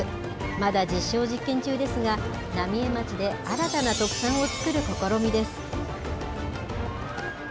まだ実証実験中ですが、浪江町で新たな特産を作る試みです。